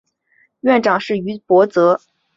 院长是于博泽。